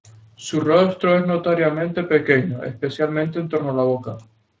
Su rostro es notoriamente pequeño, especialmente en torno a la boca.